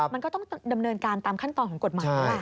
มันก็ต้องดำเนินการตามขั้นตอนของกฎหมายแหละ